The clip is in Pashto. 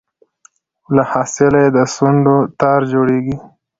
له حاصله یې د سونډو تار جوړیږي